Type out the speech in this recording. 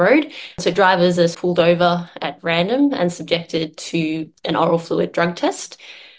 jadi penerima tersebut diperlukan secara random dan terpaksa untuk uji uji uji untuk uji uji